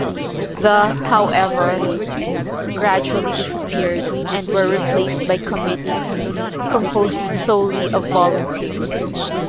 The however gradually disappeared and were replaced by committees composed solely of Volunteers.